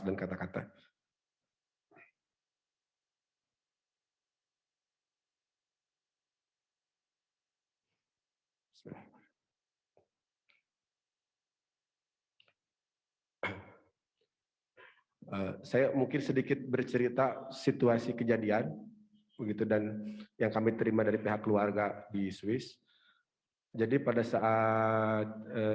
dan kami berkomunikasi dengan keluarga dan kedutaan